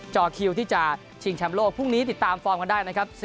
จอคิวที่จะชิงแชมป์โลกพรุ่งนี้ติดตามฟอร์มกันได้นะครับ